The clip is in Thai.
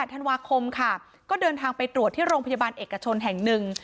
๑๘ธันภาคมก็เดินทางไปตรวจที่โรงพยาบาลเอกชนแห่ง๑